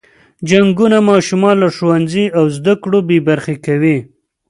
جنګونه ماشومان له ښوونځي او زده کړو بې برخې کوي.